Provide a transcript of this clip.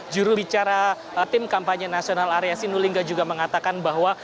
jurubicara tim kampanye nasional area sinulingga juga mengatakan bahwa